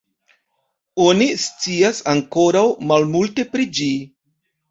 Oni scias ankoraŭ malmulte pri ĝi.